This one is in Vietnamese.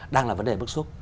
đang là vấn đề bức xúc